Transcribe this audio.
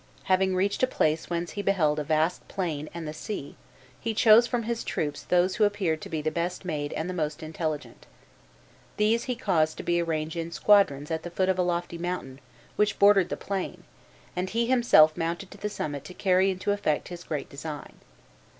Having reached a place whence he beheld a vast plain and the sea, he chose from his troops those who appeared to be the best made and the most intelligent. These he caused to be arranged in squadrons at the foot of a lofty mountain which bordered the plain, and he himself mounted to the summit to carry into effect his great design.